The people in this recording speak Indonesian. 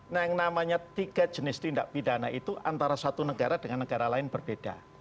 nah yang namanya tiga jenis tindak pidana itu antara satu negara dengan negara lain berbeda